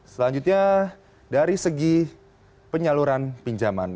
selanjutnya dari segi penyaluran pinjaman